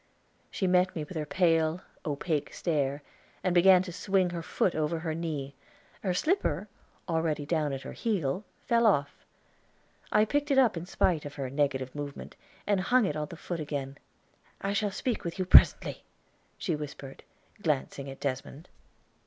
She met me with her pale, opaque stare, and began to swing her foot over her knee; her slipper, already down at her heel, fell off. I picked it up in spite of her negative movement and hung it on the foot again. "I shall speak with you presently," she whispered, glancing at Desmond.